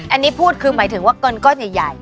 อันนี้พูดคือหมายถึงว่าเงินก้อนใหญ่